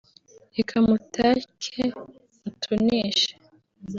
reka mutake mutoneshe